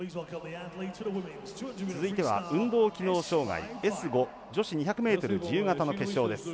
続いては運動機能障がいＳ５女子２００ｍ自由形の決勝です。